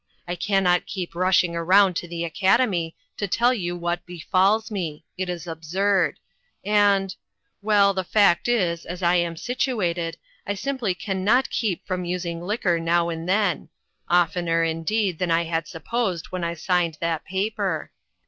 I cannot keep rushing around to the Academy to tell you what befalls me ; it is absurd. And well, the fact is, as I am situated, I simph 1 can not keep from using liquor now and then ; oftener, indeed, than I had supposed when I signed that paper.